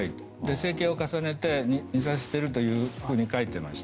整形を重ねて似させていると書いていました。